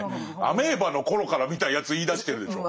「アメーバの頃から」みたいなやつ言いだしてるでしょ。